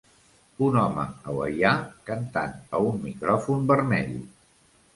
Un home hawaià cantant a un micròfon vermell.